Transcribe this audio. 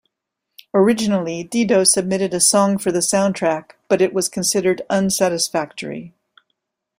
Originally, Dido submitted a song for the soundtrack, but it was considered unsatisfactory.